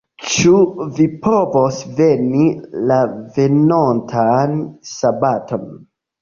Ĉu vi povos veni la venontan sabaton?